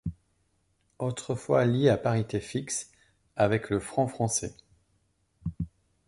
Autrefois lié à parité fixe avec le franc français.